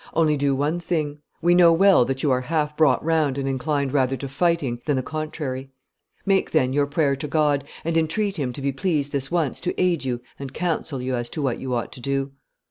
Only do one thing; we know well that you are half brought round and inclined rather to fighting than the contrary; make, then, your prayer to God, and entreat Him to be pleased this once to aid you and counsel you as to what you ought to do.